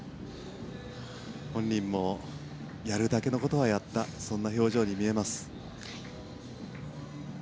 本人もやるだけのことはやったそんな表情に見えます。